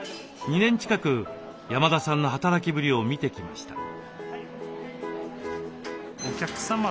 ２年近く山田さんの働きぶりを見てきました。